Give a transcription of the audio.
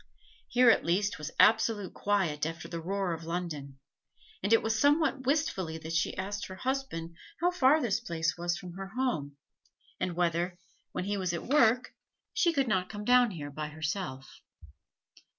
Here at least was absolute quiet after the roar of London; and it was somewhat wistfully that she asked her husband how far this place was from her home, and whether, when he was at work, she could not come down here by herself.